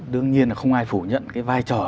đương nhiên là không ai phủ nhận cái vai trò